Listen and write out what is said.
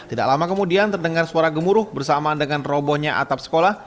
tidak lama kemudian terdengar suara gemuruh bersamaan dengan robonya atap sekolah